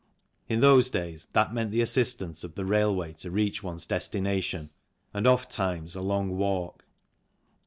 In those days that meant the assistance of the railway to reach one's destination and oft times a long walk.